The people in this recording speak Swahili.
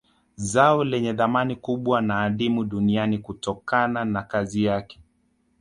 Zao lenye thamani kubwa na adimu duniani kutokana na kazi yake